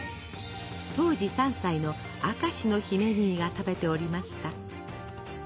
当時３歳の明石の姫君が食べておりました。